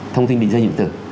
thông tin định danh điện tử